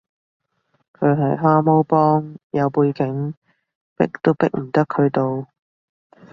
佢係蛤蟆幫，有背景，逼都逼唔得佢到